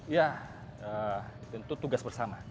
ya tentu tugas bersama